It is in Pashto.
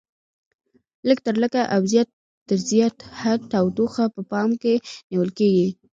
لږ تر لږه او زیات تر زیات حد تودوخه په پام کې نیول کېږي.